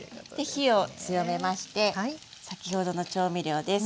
火を強めまして先ほどの調味料です。